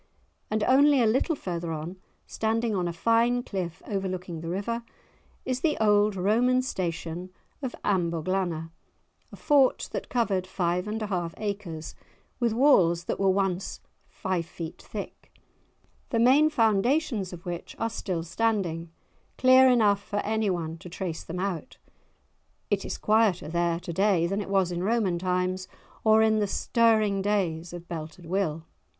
And only a little further on, standing on a fine cliff overlooking the river, is the old Roman station of Amboglanna, a fort that covered five and a half acres, with walls that were once five feet thick, the main foundations of which are still standing, clear enough for anyone to trace them out. It is quieter there to day than it was in Roman times, or in the stirring days of Belted Will!